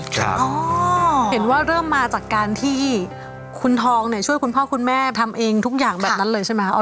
เห็นว่าเริ่มมาจากการที่คุณทองเนี่ยช่วยคุณพ่อคุณแม่ทำเองทุกอย่างแบบนั้นเลยใช่ไหมคะ